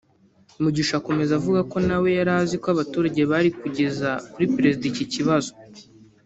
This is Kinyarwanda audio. Mugisha akomeza avuga ko na we yari aziko abaturage bari bugeze kuri Perezida iki kibazo